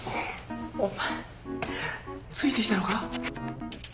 お前ついてきたのか？